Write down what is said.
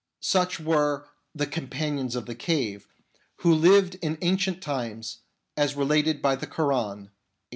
Such were " the Companions of the Cave," who lived in ancient times, as related by the Koran (xviii.).